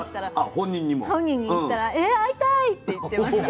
本人に言ったら「え会いたい！」って言ってました。